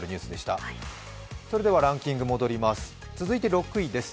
それではランキング戻ります。